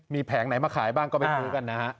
มีแผงไหนมาขายบ้างก็ไปซื้อกันนะฮะ